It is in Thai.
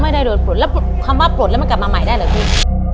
ไม่ได้โดนปลดแล้วคำว่าปลดแล้วมันกลับมาใหม่ได้เหรอพี่